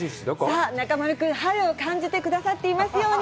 さあ、中丸君、春を感じてくださっていますように。